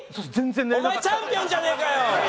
お前チャンピオンじゃねえかよ！